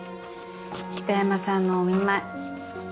北山さんのお見舞い。